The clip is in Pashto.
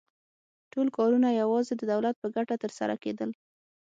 ټول کارونه یوازې د دولت په ګټه ترسره کېدل